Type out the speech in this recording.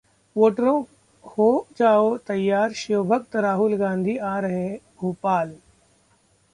वोटरों हो जाओ तैयार 'शिवभक्त' राहुल गांधी आ रहे भोपाल!